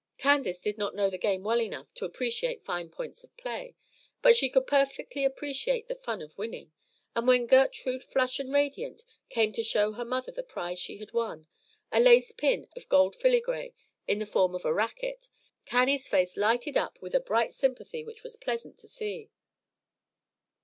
Candace did not know the game well enough to appreciate fine points of play, but she could perfectly appreciate the fun of winning; and when Gertrude, flushed and radiant, came to show her mother the prize she had won, a lace pin of gold filigree in the form of a racket, Cannie's face lighted up with a bright sympathy which was pleasant to see.